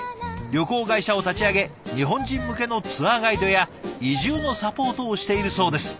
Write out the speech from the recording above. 旅行会社を立ち上げ日本人向けのツアーガイドや移住のサポートをしているそうです。